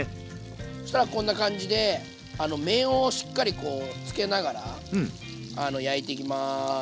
そしたらこんな感じで面をしっかりこうつけながら焼いていきます。